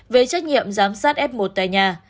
về trách nhiệm giám sát f một tại nhà